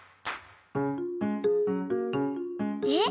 えっ？